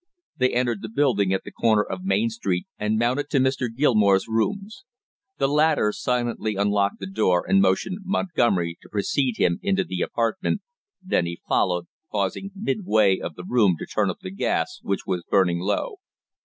They entered the building at the corner of Main Street and mounted to Mr. Gilmore's rooms. The latter silently unlocked the door and motioned Montgomery to precede him into the apartment, then he followed, pausing midway of the room to turn up the gas which was burning low.